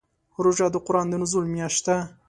روژه د قران د نزول میاشت ده.